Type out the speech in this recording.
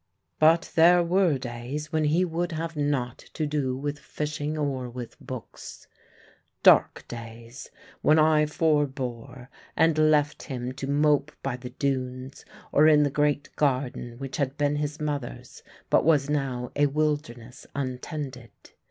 But there were days when he would have naught to do with fishing or with books; dark days when I forbore and left him to mope by the dunes, or in the great garden which had been his mother's, but was now a wilderness untended.